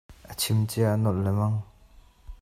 A chim cia a nolh lengmang.